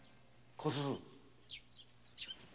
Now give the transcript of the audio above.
小鈴！